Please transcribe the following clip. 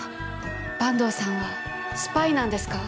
坂東さんはスパイなんですか？